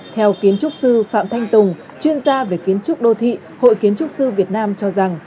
theo kiến trúc sư phạm thanh tùng chuyên gia về kiến trúc đô thị hội kiến trúc sư việt nam cho rằng